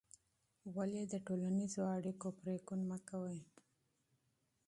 ولې د ټولنیزو اړیکو پرېکون مه کوې؟